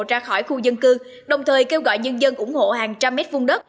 ra khỏi khu dân cư đồng thời kêu gọi nhân dân ủng hộ hàng trăm mét vung đất